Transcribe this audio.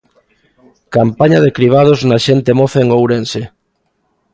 Campaña de cribados na xente moza en Ourense.